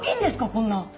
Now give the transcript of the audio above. こんな。